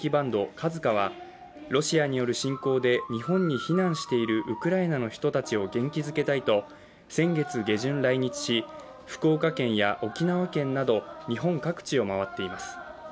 ＫＡＺＫＡは、ロシアによる侵攻で日本に避難しているウクライナの人たちを元気づけたいと、先月下旬、来日し福岡県や沖縄県など日本各地を回っています。